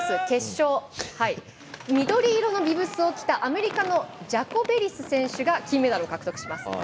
決勝、緑色のビブスを着たアメリカのジャコベリス選手が金メダル獲得します。